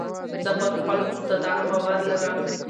زه پر خپلو استادانو باور لرم.